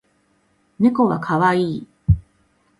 猫は可愛い